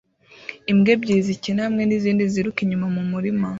Imbwa ebyiri zikina hamwe nizindi ziruka inyuma mumurima